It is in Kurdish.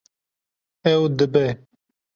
Ew dibe.